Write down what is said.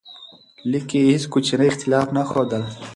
لیک کې یې هیڅ کوچنی اختلاف نه ښودل.